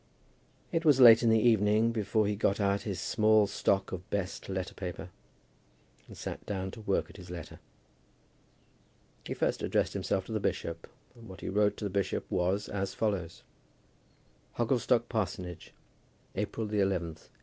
It was late in the evening before he got out his small stock of best letter paper, and sat down to work at his letter. He first addressed himself to the bishop; and what he wrote to the bishop was as follows: Hogglestock Parsonage, April llth, 186